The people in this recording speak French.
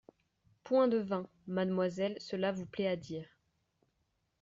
Point de vin ! Mademoiselle, cela vous plaît à dire.